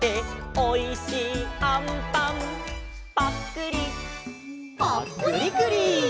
「おいしいあんぱんぱっくり」「ぱっくりくり」